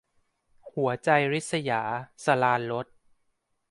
หัวใจริษยา - สราญรส